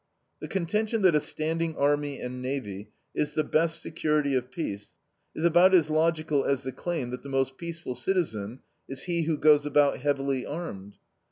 The contention that a standing army and navy is the best security of peace is about as logical as the claim that the most peaceful citizen is he who goes about heavily armed.